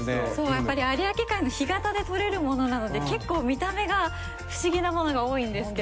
やっぱり有明海の干潟で獲れるものなので結構見た目が不思議なものが多いんですけど。